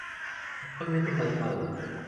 Actualmente caducado.